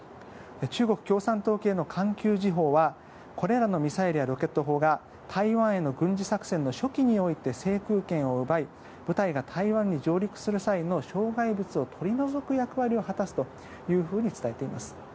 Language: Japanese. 中国共産党系の環球時報はこれらのミサイルやロケット砲が台湾への軍事作戦の初期において制空権を奪い部隊が台湾に上陸する際の障害物を取り除く役割を果たすと伝えています。